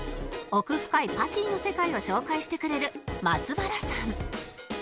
奥深いパティの世界を紹介してくれるマツバラさん